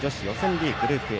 リーググループＡ